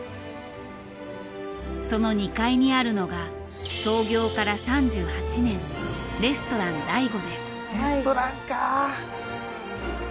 その２階にあるのが創業から３８年レストラン醍醐です。